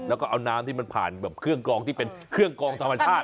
แล้วก็เอาน้ำที่มันผ่านแบบเครื่องกองที่เป็นเครื่องกองธรรมชาติ